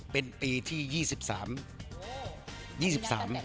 เป็นปีที่๒๓